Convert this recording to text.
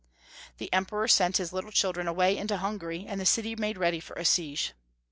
The Emperor sent his little cliildren away into Hungary, and the city made ready for a siege.